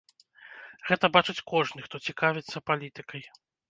Гэта бачыць кожны, хто цікавіцца палітыкай.